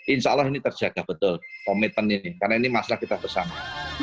insya allah ini terjaga betul komitmen ini karena ini masalah kita bersama